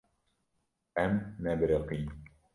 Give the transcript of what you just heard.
Em nebiriqîn.